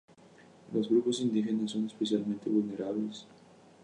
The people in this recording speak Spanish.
Los grupos indígenas son especialmente vulnerables.